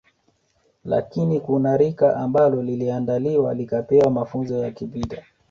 Lakini kuna lika ambalo liliandaliwa likapewa mafunzo ya kivita